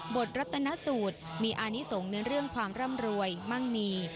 ตรัตนสูตรมีอานิสงฆ์ในเรื่องความร่ำรวยมั่งมี